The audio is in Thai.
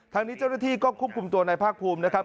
ทางนี้เจ้าหน้าที่ก็ควบคุมตัวในภาคภูมินะครับ